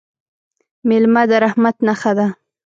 مېلمه د رحمت نښه ده.